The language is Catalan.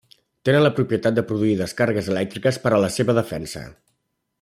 Tenen la propietat de produir descàrregues elèctriques per a la seva defensa.